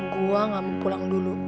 gue gak mau pulang dulu